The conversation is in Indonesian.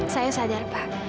saya sadar pak